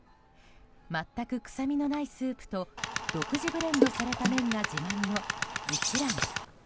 全く臭みのないスープと独自ブレンドされた麺が自慢の一蘭。